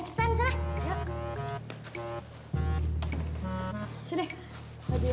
udah cepetan selesai